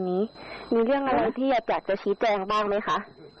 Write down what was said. มีเรื่องที่อยากจะชี้แจงปักไหมคะ